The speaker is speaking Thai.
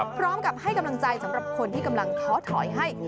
พร้อมกับให้กำลังใจสำหรับคนที่กำลังท้อถอยให้